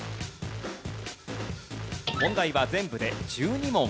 問題は全部で１２問。